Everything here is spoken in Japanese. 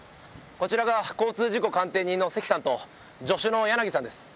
こちらが交通事故鑑定人の関さんと助手の柳さんです。